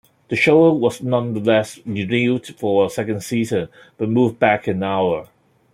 The show was nonetheless renewed for a second season, but moved back an hour.